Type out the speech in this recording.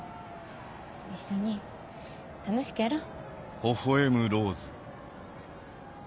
一緒に楽しくやろう。